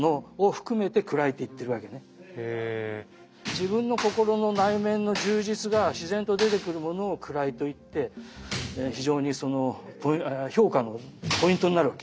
自分の心の内面の充実が自然と出てくるものを位と言って非常にその評価のポイントになるわけ。